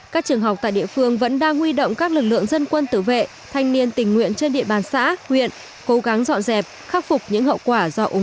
các trường học tại địa phương vẫn đang huy động các lực lượng dân quân tử vệ thanh niên tình nguyện trên địa bàn xã huyện khắc phục những hậu quả